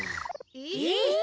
えっ？